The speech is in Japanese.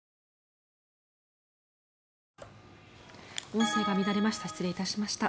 音声が乱れました。